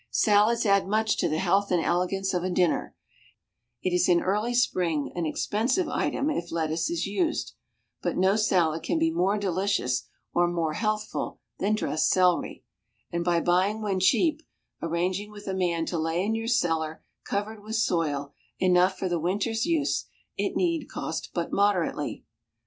Salads add much to the health and elegance of a dinner; it is in early spring an expensive item if lettuce is used; but no salad can be more delicious or more healthful than dressed celery; and by buying when cheap, arranging with a man to lay in your cellar, covered with soil, enough for the winter's use, it need cost but moderately.